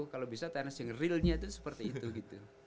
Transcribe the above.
kalau bisa tenis yang realnya itu seperti itu gitu